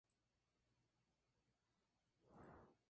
Presta servicios de larga y media distancia operados por Renfe.